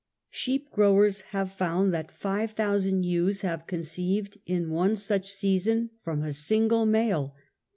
Sheep growers have found that 5,000 ^wes have conceived in one such season from a single / male.